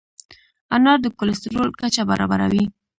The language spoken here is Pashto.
انار د کولیسټرول کچه برابروي.